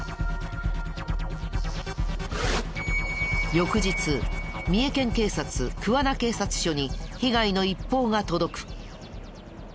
翌日三重県警察桑名警察署に被害の一報が届く。